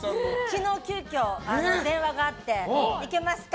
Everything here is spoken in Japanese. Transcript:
昨日、急きょ電話があって行けますか？